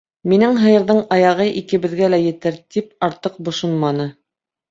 Минең һыйырҙың ағы икебеҙгә лә етер... - тип артыҡ бошонманы.